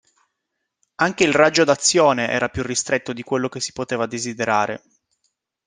Anche il raggio d'azione era più ristretto di quello che si poteva desiderare.